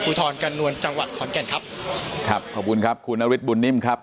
ทรกันนวลจังหวัดขอนแก่นครับครับขอบคุณครับคุณนฤทธบุญนิ่มครับ